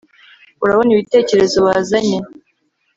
Urabona ibitekerezo bazanye